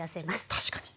確かに。